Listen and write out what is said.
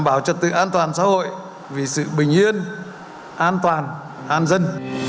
bảo trật tự an toàn xã hội vì sự bình yên an toàn an dân